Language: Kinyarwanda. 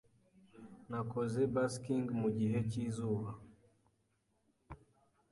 Nakoze busking mugihe cyizuba.